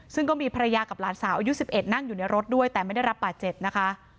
ซึ่งก็มีภรรยากับหลานสาวอายุ๑๑นั่งอยู่ในรถด้วยแต่ไม่ได้รับบาดเจ็บนะคะ